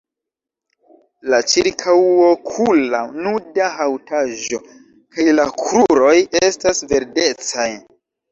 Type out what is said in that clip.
La ĉirkaŭokula nuda haŭtaĵo kaj la kruroj estas verdecaj.